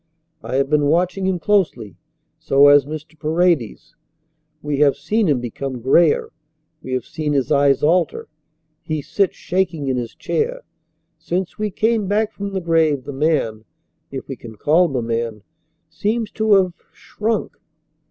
I have been watching him closely. So has Mr. Paredes. We have seen him become grayer. We have seen his eyes alter. He sits shaking in his chair. Since we came back from the grave the man if we can call him a man seems to have shrunk."